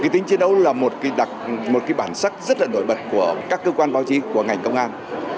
tính chiến đấu là một bản sắc rất nổi bật của các cơ quan báo chí của ngành công an